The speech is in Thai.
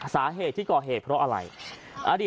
สาเหตุที่ก่อเหตุเพราะอะไร